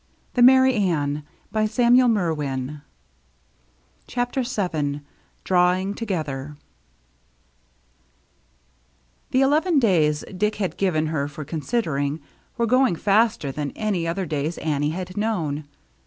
CHAPTER VII DRAWING TOGETHER CHAPTER VII DRAWING TOGETHER THE eleven days Dick had given her for considering were going faster than any other days Annie had known.